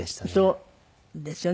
そうですよね。